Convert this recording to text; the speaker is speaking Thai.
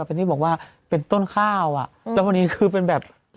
เป็นที่บอกว่าเป็นต้นข้าวอ่ะแล้วคนนี้คือเป็นแบบ